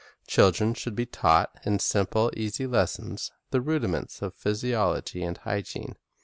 Children should be early taught, in simple, easy lessons, the rudiments of physiology and hygiene.